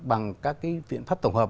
bằng các cái viện pháp tổng hợp